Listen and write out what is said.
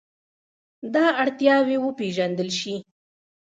دا اړتیاوې وپېژندل شي.